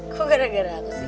kok gara gara aku sih